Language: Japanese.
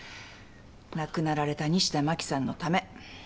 亡くなられた西田真紀さんのため。